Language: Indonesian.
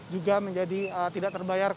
juga menjadi tidak terbayar